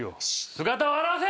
姿を現せ！